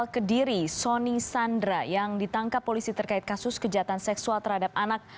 kediri sony sandra yang ditangkap polisi terkait kasus kejahatan seksual terhadap anak